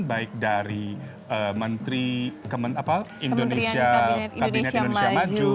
baik dari menteri kabinet indonesia maju